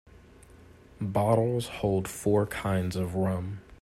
Bottles hold four kinds of rum.